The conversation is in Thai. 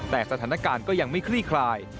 แต่สถานการณ์ก็ยังไม่คลี่คลาย